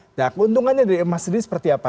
nah keuntungannya dari emas sendiri seperti apa